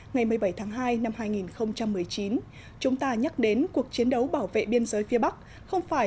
ngày một mươi bảy tháng hai năm hai nghìn một mươi chín chúng ta nhắc đến cuộc chiến đấu bảo vệ biên giới phía bắc không phải